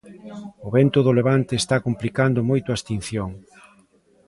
O vento do levante está complicando moito a extinción.